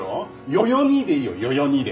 「よよ兄」でいいよ「よよ兄」で。